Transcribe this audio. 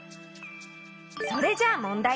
それじゃあもんだい。